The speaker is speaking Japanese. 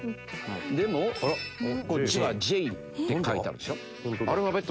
でもこっちは「Ｊ」って書いてあるでしょ。